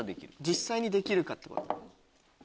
実際にできるかってこと。